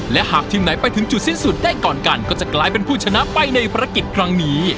และหากทีมไหนไปถึงจุดสิ้นสุดได้ก่อนกันก็จะกลายเป็นผู้ชนะไปในภารกิจครั้งนี้